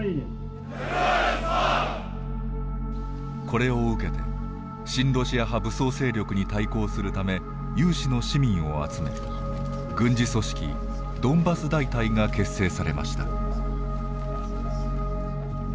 これを受けて親ロシア派武装勢力に対抗するため有志の市民を集め軍事組織ドンバス大隊が結成されました。